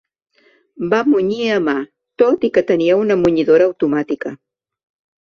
Va munyir a mà, tot i que tenia una munyidora automàtica.